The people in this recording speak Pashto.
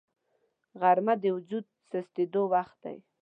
غرمه د وجود سستېدو وخت دی